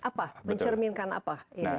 apa mencerminkan apa